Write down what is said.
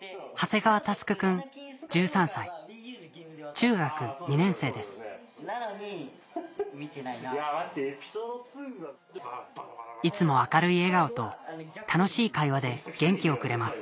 中学２年生ですいつも明るい笑顔と楽しい会話で元気をくれます